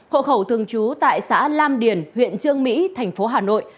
hộ khẩu thường trú tại xã lam điền huyện trương mỹ thành phố hà nội